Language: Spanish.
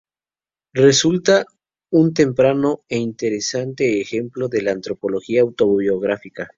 Resulta un temprano e interesante ejemplo de la antropología autobiográfica.